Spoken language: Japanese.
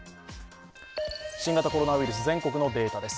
新型コロナウイルス、全国のデータです。